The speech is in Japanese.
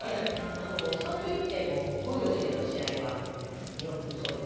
あのサンフレッチェも本拠地での試合は見送るそうです